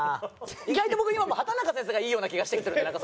意外と僕今畠中先生がいいような気がしてきてる。